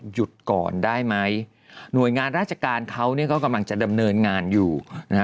หยุดก่อนได้ไหมหน่วยงานราชการเขาเนี่ยก็กำลังจะดำเนินงานอยู่นะฮะ